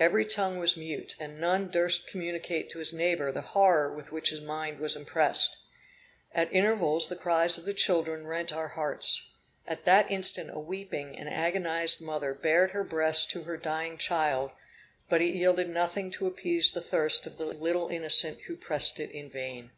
Every tongue was mute; and none durst communicate to his neighbor the horror with which his mind was impressed. At intervals the cries of the children rent our hearts. At that instant a weeping and agonized mother bared her breast to her dying child, but it yielded nothing to appease the thirst of the little innocent who pressed it in vain.